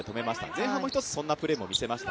前半も一つそんなプレーを見せました。